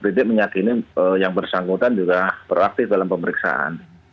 penyidik meyakini yang bersangkutan juga beraktif dalam pemeriksaan